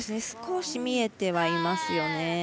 少し見えてはいますよね。